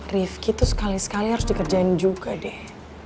riffy tuh sekali sekali harus dikerjain juga deh